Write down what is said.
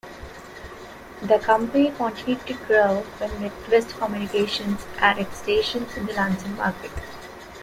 The company continued to grow when Midwest Communications added stations in the Lansing market.